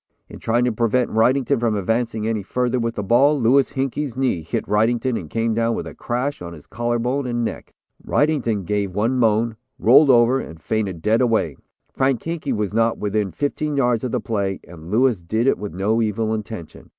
In trying to prevent Wrightington from advancing any further with the ball, Louis Hinkey's knee hit Wrightington and came down with a crash on his collar bone and neck. Wrightington gave one moan, rolled over and fainted dead away. Frank Hinkey was not within fifteen yards of the play, and Louis did it with no evil intention.